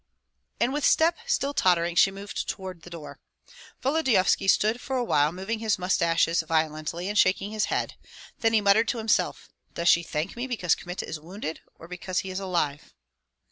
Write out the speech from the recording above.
And with step still tottering she moved toward the door. Volodyovski stood for a while moving his mustaches violently and shaking his head; then he muttered to himself, "Does she thank me because Kmita is wounded, or because he is alive?"